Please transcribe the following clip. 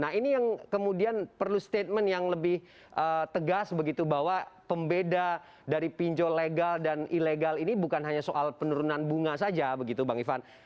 nah ini yang kemudian perlu statement yang lebih tegas begitu bahwa pembeda dari pinjol legal dan ilegal ini bukan hanya soal penurunan bunga saja begitu bang ivan